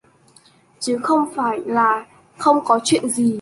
Chứ không phải là không có chuyện gì